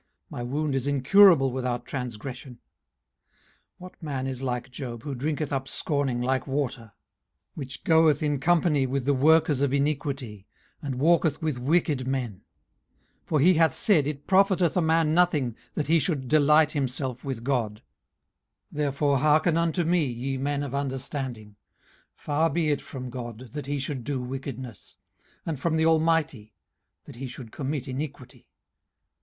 my wound is incurable without transgression. 18:034:007 What man is like Job, who drinketh up scorning like water? 18:034:008 Which goeth in company with the workers of iniquity, and walketh with wicked men. 18:034:009 For he hath said, It profiteth a man nothing that he should delight himself with God. 18:034:010 Therefore hearken unto me ye men of understanding: far be it from God, that he should do wickedness; and from the Almighty, that he should commit iniquity.